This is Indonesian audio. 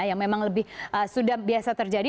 yang memang lebih sudah biasa terjadi